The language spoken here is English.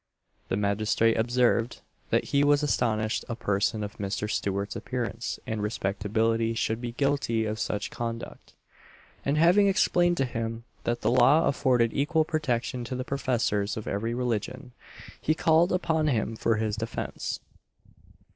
The magistrate observed, that he was astonished a person of Mr. Stewart's appearance and respectability should be guilty of such conduct; and having explained to him that the law afforded equal protection to the professors of every religion, he called upon him for his defence.